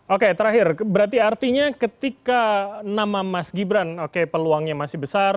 oke terakhir berarti artinya ketika nama mas gibran oke peluangnya masih besar